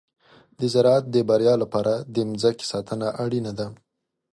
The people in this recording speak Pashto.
د زراعت د بریا لپاره د مځکې ساتنه اړینه ده.